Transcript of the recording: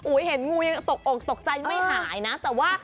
เห็นงูยังตกอกตกใจไม่หายนะแต่ว่า